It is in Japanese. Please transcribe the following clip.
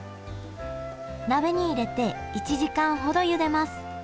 鍋に入れて１時間ほどゆでます。